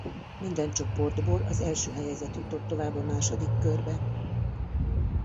Minden csoportból az első helyezett jutott tovább a második körbe.